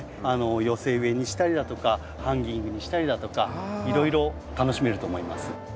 寄せ植えにしたりだとかハンギングにしたりだとかいろいろ楽しめると思います。